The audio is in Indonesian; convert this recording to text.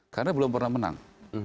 karena belum pernah menang